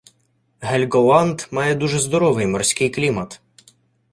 Гельґоланд має дуже здоровий морський клімат.